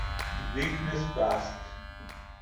The weakness passed.